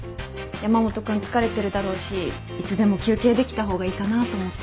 山本君疲れてるだろうしいつでも休憩できた方がいいかなと思って。